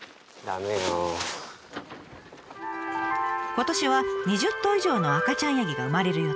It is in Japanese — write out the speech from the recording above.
今年は２０頭以上の赤ちゃんヤギが生まれる予定。